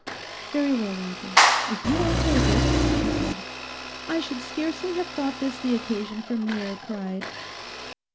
'Very well, Arthur; if you won't take it,' she said. 'I should scarcely have thought this the occasion for mere pride.